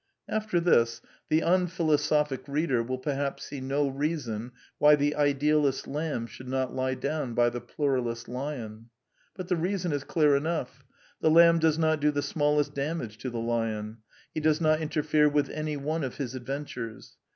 After this, the unphilosophic reader will perhaps see no reason why the idealist lamb should not lie down by the pluralist lion. But the reason is clear enough. The lamb does not do the smallest damage to the lion. He does not interfere with any one of his adventures.